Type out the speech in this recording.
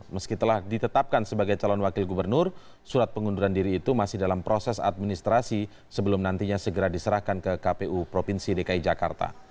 meski telah ditetapkan sebagai calon wakil gubernur surat pengunduran diri itu masih dalam proses administrasi sebelum nantinya segera diserahkan ke kpu provinsi dki jakarta